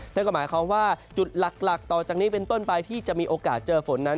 นั่นก็หมายความว่าจุดหลักต่อจากนี้เป็นต้นไปที่จะมีโอกาสเจอฝนนั้น